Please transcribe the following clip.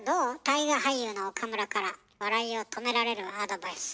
大河俳優の岡村から笑いを止められるアドバイス。